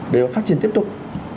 để phát triển tiếp tục